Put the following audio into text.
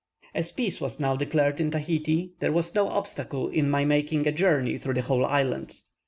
As peace was now declared in Tahiti, there was no obstacle to my making a journey through the whole island.